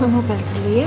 mama balik dulu ya